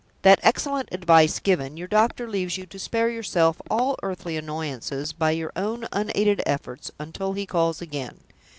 That excellent advice given, your doctor leaves you to spare yourself all earthly annoyances by your own unaided efforts, until he calls again.